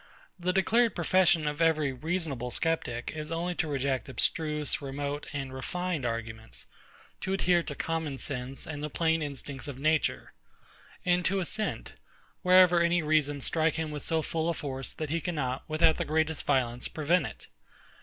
The declared profession of every reasonable sceptic is only to reject abstruse, remote, and refined arguments; to adhere to common sense and the plain instincts of nature; and to assent, wherever any reasons strike him with so full a force that he cannot, without the greatest violence, prevent it.